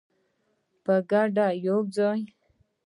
په ګډه او یوځای.